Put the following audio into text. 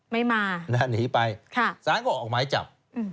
ไม่มาหนีไปสารก็ออกหมายจับ